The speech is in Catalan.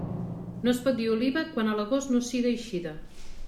No es pot dir oliva quan a l'agost no siga eixida.